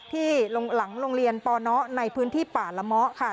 ที่หลังโรงเรียนปนในพื้นที่ป่าละเมาะค่ะ